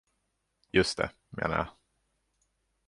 Just det, menar jag.